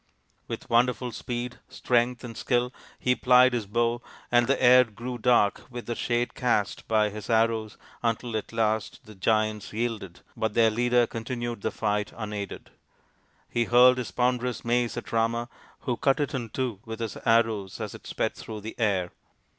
With wonderful speed, strength, and skill he plied his bow, and the air grew dark with the shade cast by his arrows until at last the giants yielded, but their leader continued the fight unaided. He hurled his ponderous mace at Rama, who cut it in two with his arrows as it sped through the air.